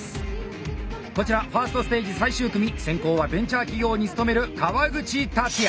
こちら１ｓｔステージ最終組先攻はベンチャー企業に勤める川口達也。